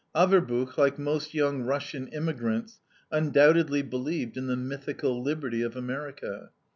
Averbuch, like most young Russian immigrants, undoubtedly believed in the mythical liberty of America.